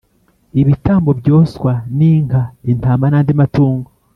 ibitambo byoswa ninka intama nandi matungo